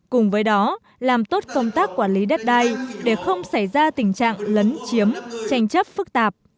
cùng với đó làm tốt công tác quản lý đất đai để không xảy ra tình trạng lấn chiếm tranh chấp phức tạp